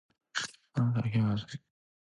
あなたは起きるのが遅い